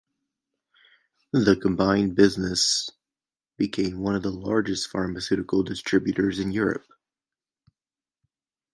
The combined business became one of the largest pharmaceutical distributors in Europe.